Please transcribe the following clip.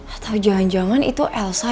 atau jangan jangan itu elsa